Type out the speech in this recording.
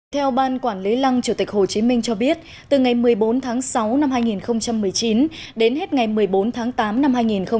theo ban quản lý lăng chủ tịch hồ chí minh cho biết từ ngày một mươi bốn tháng sáu năm hai nghìn một mươi chín đến hết ngày một mươi bốn tháng tám năm hai nghìn hai mươi